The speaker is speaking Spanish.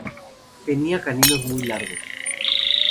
Tenía caninos muy largos.